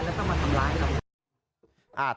แล้วก็มาทำร้ายกัน